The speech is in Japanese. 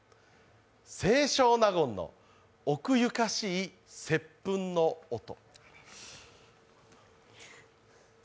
清少納言の奥ゆかしい接吻の音。